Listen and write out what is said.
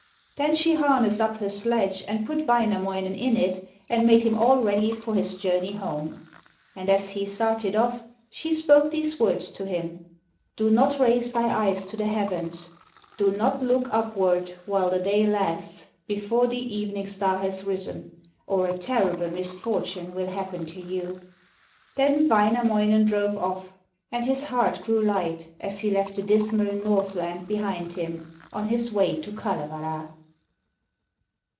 Then she harnessed up her sledge and put Wainamoinen in it and made him all ready for his journey home. And as he started off she spoke these words to him: 'Do not raise thy eyes to the heavens, do not look upward while the day lasts, before the evening star has risen, or a terrible misfortune will happen to you.' Then Wainamoinen drove off, and his heart grew light as he left the dismal Northland behind him on his way to Kalevala.